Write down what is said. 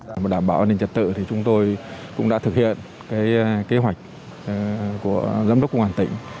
để mà đảm bảo an ninh trật tự thì chúng tôi cũng đã thực hiện kế hoạch của giám đốc công an tỉnh